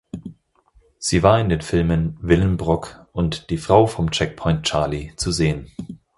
Sie war in den Filmen "Willenbrock" und "Die Frau vom Checkpoint Charlie" zu sehen.